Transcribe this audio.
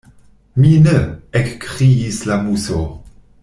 “Mi ne!” ekkriis la Muso.